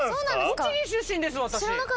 栃木出身です私。